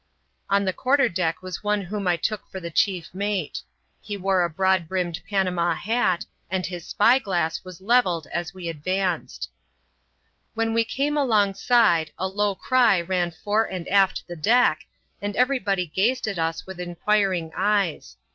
On the quarter deck was one whom I took for the chief mate. He wore a broad brimmed Panama hat, and his* spy glass was levelled as we advanced. When we came alongside, a low cry ran fore and aft the deck, and every body gazed at us with inquiring eyes.